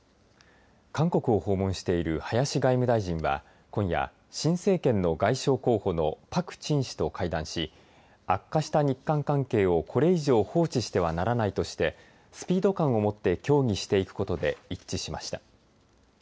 韓国を訪問している林外務大臣は今夜、新政権の外相候補のパク・チン氏と会談し悪化した日韓関係をこれ以上放置してはならないとしてスピード感をもって協議していくことで一致しました。